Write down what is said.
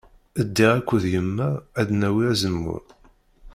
Ddiɣ akked yemma ad d-nawi azemmur.